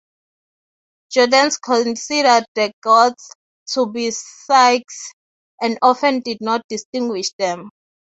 Jordanes considered the Goths to be Scyths, and often did not distinguish them.